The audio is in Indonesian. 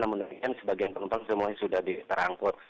namun sebagian penumpang semuanya sudah diterangkut